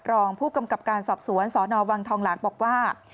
รองผู้กำกับการสอบสวนสนวังทองหลางบอกว่า